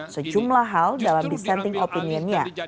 sejumlah hal dalam dissenting opinionnya